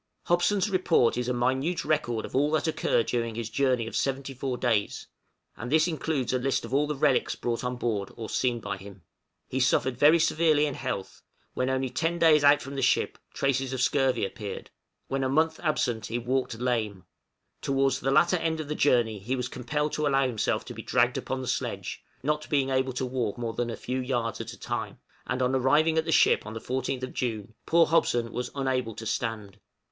{HOBSON'S JOURNEY.} Hobson's report is a minute record of all that occurred during his journey of seventy four days, and includes a list of all the relics brought on board, or seen by him. He suffered very severely in health: when only ten days out from the ship, traces of scurvy appeared; when a month absent he walked lame; towards the latter end of the journey he was compelled to allow himself to be dragged upon the sledge, not being able to walk more than a few yards at a time; and on arriving at the ship on the 14th June, poor Hobson was unable to stand.